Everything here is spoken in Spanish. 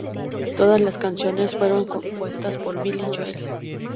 Todas las canciones fueron compuestas por Billy Joel.